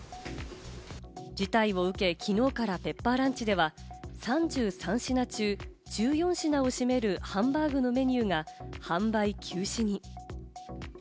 事態を受け、きのうからペッパーランチでは３３品中１４品を占めるハンバーグのメニューが販売休止に。